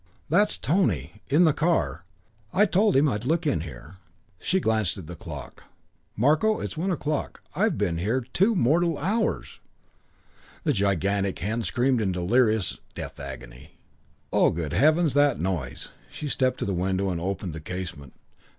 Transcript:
That's Tony. In the car. I told him I'd look in here." She glanced at the clock. "Marko; it's one o'clock. I've been here two mortal hours!" The gigantic hen screamed in delirious death agony. "Oh, good heavens, that noise!" She stepped to the window and opened the casement.